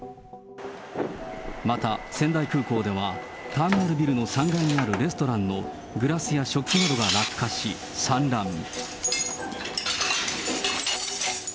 また仙台空港では、ターミナルビルの３階にあるレストランのグラスや食器などが落下し散乱。